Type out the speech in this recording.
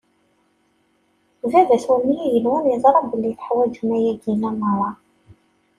Baba-twen n igenwan yeẓra belli teḥwaǧem ayagi meṛṛa.